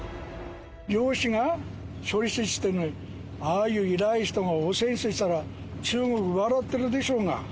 漁師が処理水って言ってるのに、ああいう偉い人が汚染水って言ったら、中国は笑ってるでしょうが。